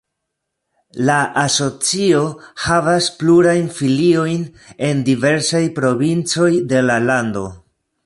La asocio havas plurajn filiojn en diversaj provincoj de la lando.